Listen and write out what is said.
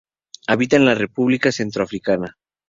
Habita en la República Centroafricana.